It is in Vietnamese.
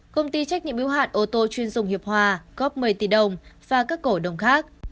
công ty trách nhiệm yếu hạn ô tô chuyên dùng hiệp hòa góp một mươi tỷ đồng và các cổ đồng khác